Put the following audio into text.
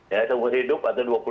ya tunggu hidup atau dua puluh